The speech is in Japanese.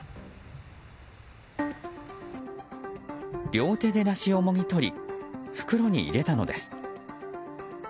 両手で梨をもぎ取り袋に入れたのです。